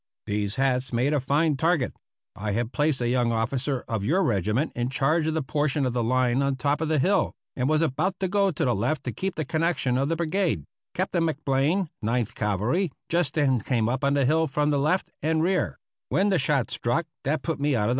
These hats made a fine target! I had placed a young officer of your regiment in charge of the portion of the line on top of the hill, and was about to go to the left to keep the connection of the brigade Captain McBlain, Ninth Cavalry, just then came up on the hill from the left and rear when the shot struck that put me out of the fight.